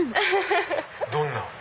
どんな？